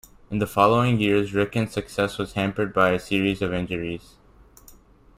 In the following years, Ricken's success was hampered by a series of injuries.